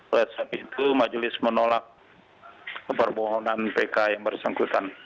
oleh sebab itu majelis menolak permohonan pk yang bersangkutan